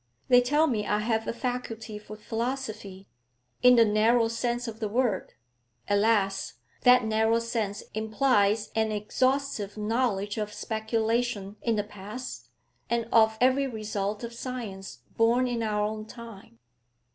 They tell me I have a faculty for philosophy, in the narrow sense of the word; alas! that narrow sense implies an exhaustive knowledge of speculation in the past and of every result of science born in our own time.